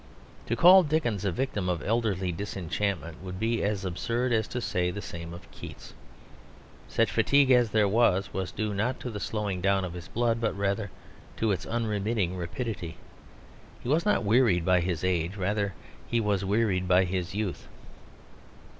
To call Dickens a victim of elderly disenchantment would be as absurd as to say the same of Keats. Such fatigue as there was, was due not to the slowing down of his blood, but rather to its unremitting rapidity. He was not wearied by his age; rather he was wearied by his youth.